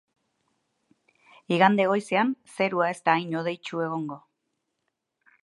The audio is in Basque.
Igande goizean zerua ez da hain hodeitsu egongo.